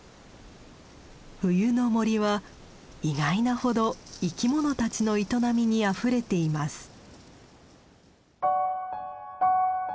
冬の森は意外なほど生き物たちの営みにあふれています。